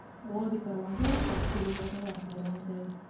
غوا د کروندګرو تر ټولو ګټور حیوان دی.